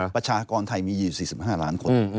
ประชากรไทยมีอยู่๔๕ล้านคน